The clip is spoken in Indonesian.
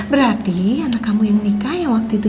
berarti anak kamu yang nikah yang waktu itu